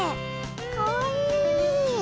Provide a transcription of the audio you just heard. かわいい。